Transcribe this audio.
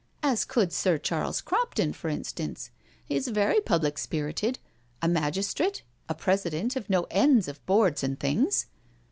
As could Sir Charles Crompton, for instance; he is very public spirited— a magistrate, and president of no end of boards and things."